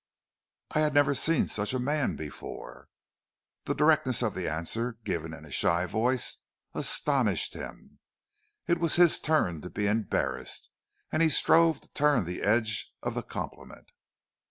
"I had never seen such a man before." The directness of the answer, given in a shy voice, astonished him. It was his turn to be embarrassed and he strove to turn the edge of the compliment.